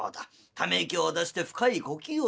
ため息を出して深い呼吸をするんだ。